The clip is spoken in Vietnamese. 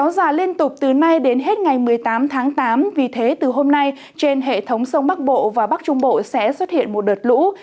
ngay đến hết ngày một mươi tám tháng tám vì thế từ hôm nay trên hệ thống sông bắc bộ và bắc trung bộ sẽ xuất hiện một đợt lũ